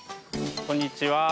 こんにちは。